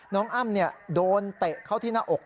น้องอ้ำนี้โดนเตะเขาที่หน้าอก